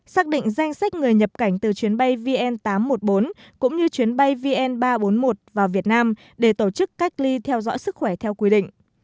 xác định danh sách người nhập cảnh từ chuyến bay vn tám trăm một mươi bốn cũng như chuyến bay vn ba trăm bốn mươi một vào việt nam để tổ chức cách ly theo dõi sức khỏe theo quy định